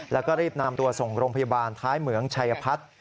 แล้วก็รีบนำตัวส่งโรงพยาบาลท้ายเหมืองชัยพัฒน์